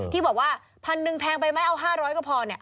ที่บอกว่าพันหนึ่งแพงไปไหมเอาห้าร้อยก็พอเนี่ย